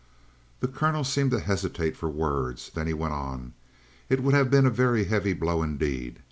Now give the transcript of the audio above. The Colonel seemed to hesitate for words; then he went on: "It would have been a very heavy blow indeed.